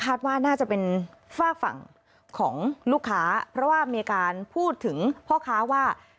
ว่าน่าจะเป็นฝากฝั่งของลูกค้าเพราะว่ามีการพูดถึงพ่อค้าว่า